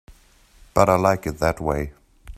But I like it that way.